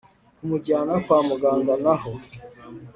kumujyana kwa muganga naho